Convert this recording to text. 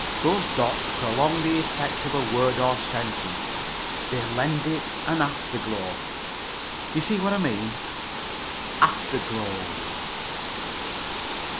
Those dots prolong the effect of a word or sentence; they lend it an afterglow. You see what I mean? Afterglow